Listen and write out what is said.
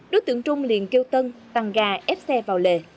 đối tượng trung liền kêu tân tăng ga ép xe vào lề